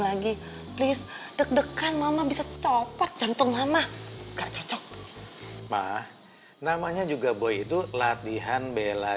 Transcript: lagi please deg degan mama bisa copot jantung mama enggak cocok mah namanya juga boy itu latihan bela